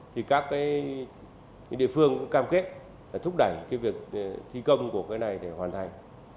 thì các địa phương cũng cam kết thúc đẩy việc thi công của cái này để hoàn thành